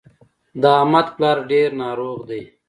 د احمد پلار ډېر ناروغ دی.